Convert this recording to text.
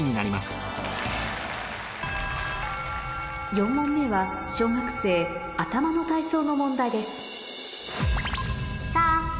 ４問目は小学生頭の体操の問題です